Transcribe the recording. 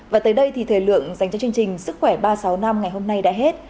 và tới đây thì thời lượng dành cho chương trình sức khỏe ba trăm sáu mươi năm ngày hôm nay đã hết